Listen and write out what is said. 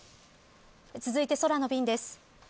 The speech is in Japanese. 続いて空の便です。